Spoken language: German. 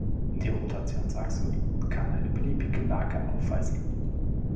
Die Rotationsachse kann eine beliebige Lage aufweisen.